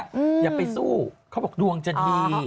อย่าไปสู้เขาบอกดวงจะดี